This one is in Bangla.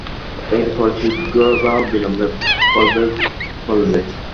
এর ফল শীঘ্র বা বিলম্বে ফলবেই ফলবে।